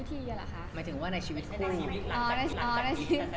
มีคำมั้นสัญญาในชีวิตคุณค่ะ